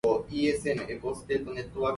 猶